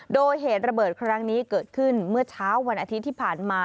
โดยเหตุระเบิดครั้งนี้เกิดขึ้นเมื่อเช้าวันอาทิตย์ที่ผ่านมา